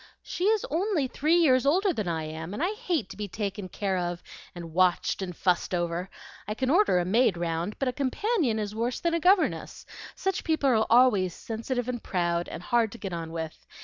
"She is only three years older than I am, and I hate to be taken care of, and watched, and fussed over. I can order a maid round, but a companion is worse than a governess; such people are always sensitive and proud, and hard to get on with.